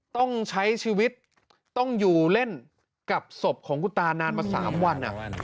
ต้องใช้ชีวิตต้องอยู่เล่นกับศพของคุณตานานมา๓วัน